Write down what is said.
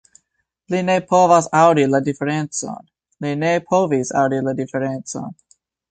Li ne povas aŭdi la diferencon li ne povis aŭdi la diferencon!